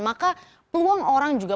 maka peluang orang juga